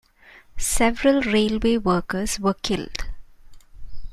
Several railway workers were killed.